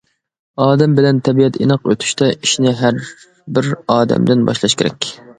ئادەم بىلەن تەبىئەت ئىناق ئۆتۈشتە ئىشنى ھەربىر ئادەمدىن باشلاش كېرەك.